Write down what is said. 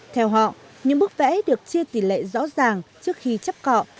theo họ những bước vẽ được chia tỷ lệ rõ ràng trước khi chấp cọ